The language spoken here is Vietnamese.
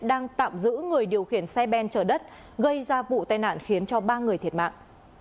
đang tạm giữ người điều khiển xe ben chở đất gây ra vụ tai nạn khiến cho ba người thiệt mạng